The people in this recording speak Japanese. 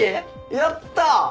やったぁ！